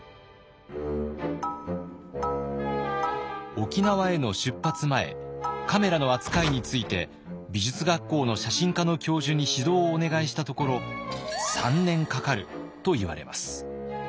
沖縄への出発前カメラの扱いについて美術学校の写真科の教授に指導をお願いしたところ「３年かかる」と言われます。